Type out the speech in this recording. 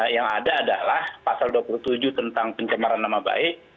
yang ada adalah pasal dua puluh tujuh tentang pencemaran nama baik